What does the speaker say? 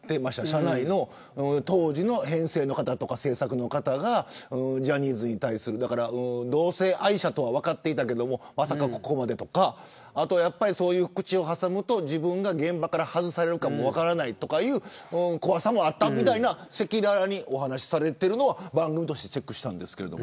社内の当時の編成の方とか制作の方がジャニーズに対する同性愛者とは分かっていたけどまさか、ここまでとか口を挟むと自分が現場から外されるのかもしれないという怖さもあったみたいなせきららにお話されているのは番組としてチェックしたんですけど。